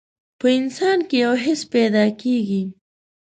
په انسان کې يو حس پيدا کېږي.